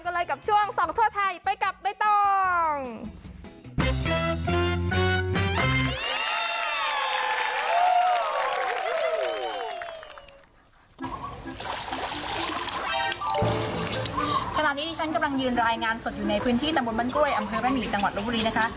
ดิฉันกำลังยืนรายงานสดอยู่ในพื้นที่ตำบลบ้านกล้วยอำเภอระหมี่จังหวัดลบบุรีนะคะ